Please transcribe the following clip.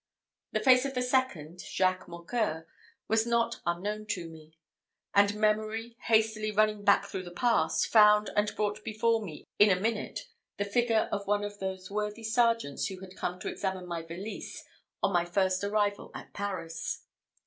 The face of the second, Jacques Mocqueur, was not unknown to me; and memory, hastily running back through the past, found and brought before me in a minute the figure of one of those worthy sergeants who had come to examine my valise on my first arrival at Paris.